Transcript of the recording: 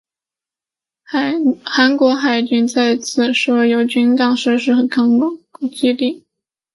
韩国海军在此设有军港设施和航空基地。